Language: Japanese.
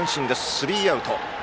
スリーアウト。